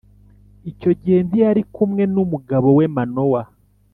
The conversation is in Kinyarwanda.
icyo gihe ntiyari kumwe n’umugabo we Manowa